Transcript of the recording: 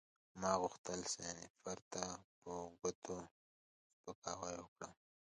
ما غوښتل سنایپر ته په ګوته سپکاوی وکړم